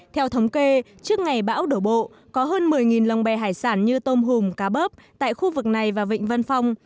theo thống kê trước ngày bão đổ bộ có hơn một mươi lồng bè hải sản như tôm hùm cá bớp tại khu vực này và vịnh vân phong